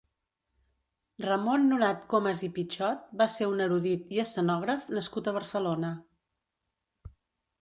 Ramon Nonat Comas i Pitxot va ser un erudit i escenògraf nascut a Barcelona.